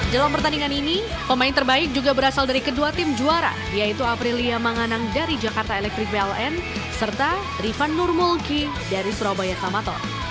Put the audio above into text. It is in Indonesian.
dalam pertandingan ini pemain terbaik juga berasal dari kedua tim juara yaitu aprilia manganang dari jakarta electric pln serta rifan nurmulki dari surabaya samator